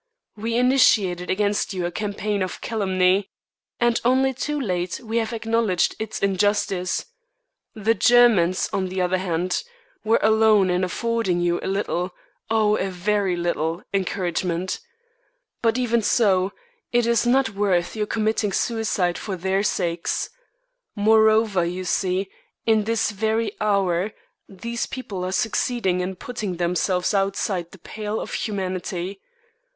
We initiated against you a campaign of calumny, and only too late we have acknowledged its injustice. The Germans, on the other hand, were alone in affording you a little oh, a very little! encouragement. But even so, it is not worth your committing suicide for their sakes. Moreover, you see, in this very hour, these people are succeeding in putting themselves outside the pale of humanity.